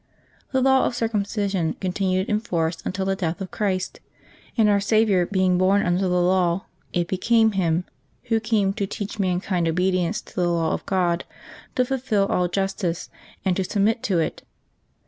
The law of circumcision continued in force until the death of Christ, and Our Saviour being born under the law, it became Him, AYho came to teach mankind obedi ence to the law of God, to fulfil all justice, and to submit to it.